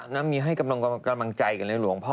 นั้นมีกำลังกำลังใจในหลวงพ่อ